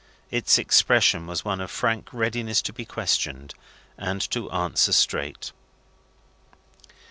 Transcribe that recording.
Its expression was one of frank readiness to be questioned, and to answer straight.